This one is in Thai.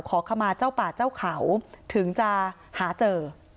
ขอขมาเจ้าป่าเจ้าเขาถึงจะหาเจอ